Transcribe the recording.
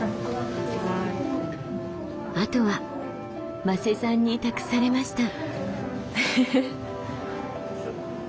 あとは馬瀬さんに託されました。